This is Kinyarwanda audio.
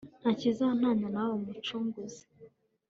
nta kizantanya nawe mucunguzi